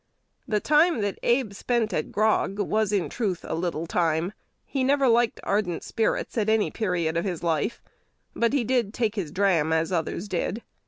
The time that Abe "spent at grog" was, in truth, a "little time." He never liked ardent spirits at any period of his life; but "he did take his dram as others did."